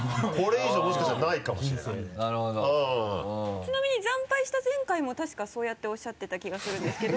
ちなみに惨敗した前回もたしかそうやっておっしゃってた気がするんですけど。